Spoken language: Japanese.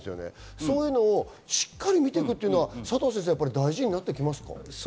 そういうのをしっかり見ていくというのは大事になってきますか？